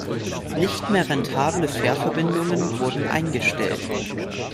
Nicht mehr rentable Fährverbindungen wurden eingestellt.